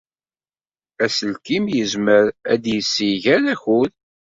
Aselkim yezmer-ad d-yessiger akud.